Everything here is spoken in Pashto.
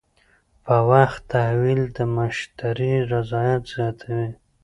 په وخت تحویل د مشتری رضایت زیاتوي.